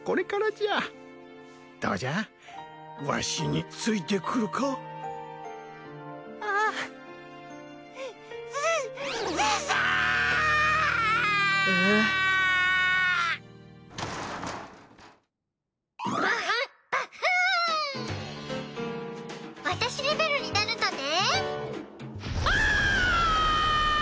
僕ちんレベルになるとね。